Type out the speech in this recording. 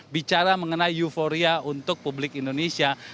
bicara mengenai euforia untuk publik indonesia